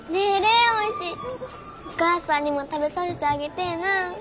お母さんにも食べさせてあげてえなあ。